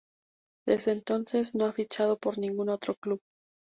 Desde entonces, no ha fichado por ningún otro club.